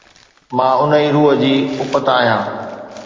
مان ان ئي روح جي اُپت آهيان